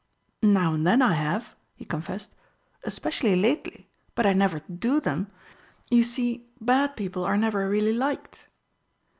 "Now and then I have," he confessed. "Especially lately. But I never do them. You see, bad people are never really liked."